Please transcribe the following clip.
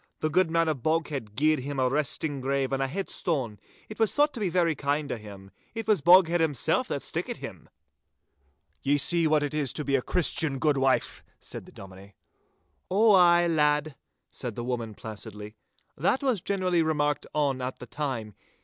The good man of Boghead gied him a resting grave and a headstone. It was thought to be very kind o' him. It was Boghead himsel' that stickit him.' 'Ye see what it is to be a Christian, good wife!' said the Dominie. 'Ow ay, lad,' said the woman, placidly. 'That was generally remarked on at the time.